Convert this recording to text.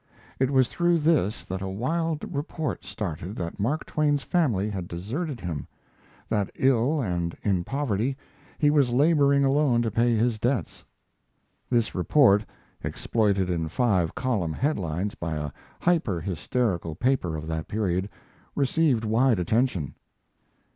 It was through this that a wild report started that Mark Twain's family had deserted him that ill and in poverty he was laboring alone to pay his debts. This report exploited in five column head lines by a hyper hysterical paper of that period received wide attention.